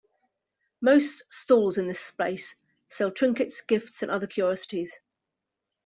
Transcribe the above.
Most stalls in this space sell trinkets, gifts, and other curiosities.